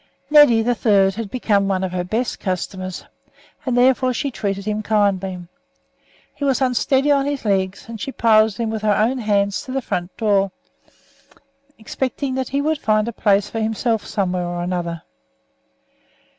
Neddy, the third, had become one of her best customers, and therefore she treated him kindly. He was unsteady on his legs, and she piloted him with her own hands to the front door, expecting that he would find a place for himself somewhere or other.